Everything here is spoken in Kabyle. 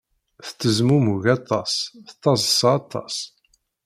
Tettezmumug aṭas, tettaḍsa aṭas.